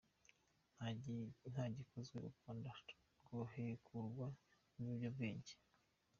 Nta gikozwe, u Rwanda rwahekurwa n’ibiyobyabwenge .